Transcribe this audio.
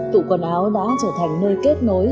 cụ quần áo đã trở thành nơi kết nối